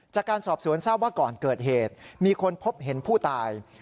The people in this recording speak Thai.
จากการสอบสวนทราบว่าก่อนเกิดเหตุมีคนพบเห็นผู้ตาย